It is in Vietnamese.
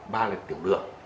ba là tiểu lượng